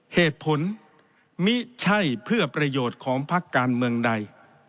เหตุผลมิใช่เพื่อประโยชน์ของพักการเมืองใด